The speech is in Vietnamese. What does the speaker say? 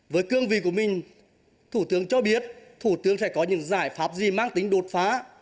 với cương vị của mình thủ tướng cho biết thủ tướng sẽ có những giải pháp gì mang tính đột phá